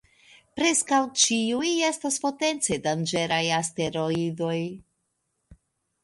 Preskaŭ ĉiuj estas potence danĝeraj asteroidoj.